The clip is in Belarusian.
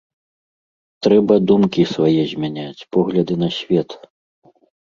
Трэба думкі свае змяняць, погляды на свет.